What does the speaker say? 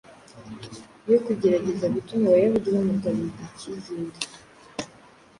yo kugerageza gutuma Abayahudi bamugarurira icyizere.